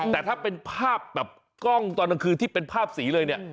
แต่ถ้าเป็นภาพแบบกล้องตอนกลางคืนที่เป็นภาพสีเลยเนี่ย